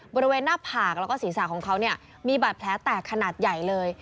บริเวณหน้าผากแล้วก็ศีรษะของเขาเนี่ยมีบาดแผลแตกขนาดใหญ่เลย